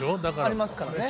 ありますからね。